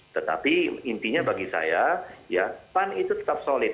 tetapi intinya bagi saya ya pan itu tetap solid